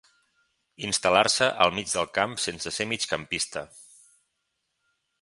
Instal·lar-se al mig del camp sense ser migcampista.